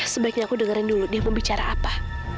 sebaiknya aku dengerin dulu dia membicara apa